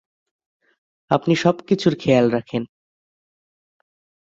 আপনি সবকিছুর খেয়াল রাখেন।